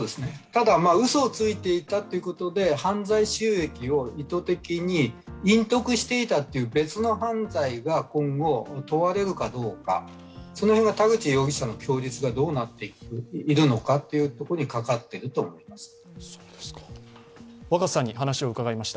ただ、うそをついていたということで犯罪収益を意図的に隠匿していたという別の犯罪が今後、問われるかどうか、その辺が田口容疑者の供述がどうなっているのかにかかっていると思います。